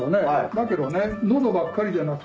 だけどね。